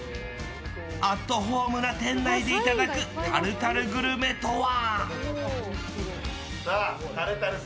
アットホームな店内でいただくタルタルグルメとは。